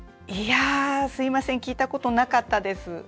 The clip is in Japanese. すみません聞いたこと、なかったです。